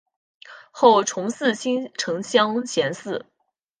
后崇祀新城乡贤祠。